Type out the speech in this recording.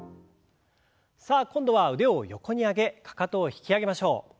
さあ今度は腕を横に上げかかとを引き上げましょう。